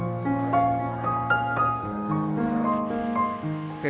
dan juga menggunakan alat penyelidikan